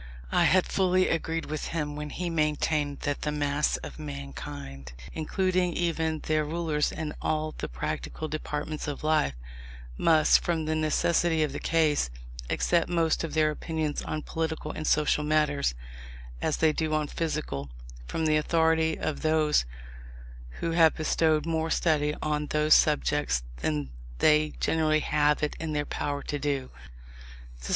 I had fully agreed with him when he maintained that the mass of mankind, including even their rulers in all the practical departments of life, must, from the necessity of the case, accept most of their opinions on political and social matters, as they do on physical, from the authority of those who have bestowed more study on those subjects than they generally have it in their power to do.